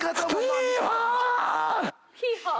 ヒーハー？